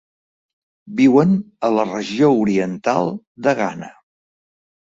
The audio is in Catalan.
Viuen a la regió Oriental de Ghana.